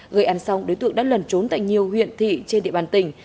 gợi ăn xong đối tượng đã lần trốn tại nhiều huyện thị trên địa bàn tỉnh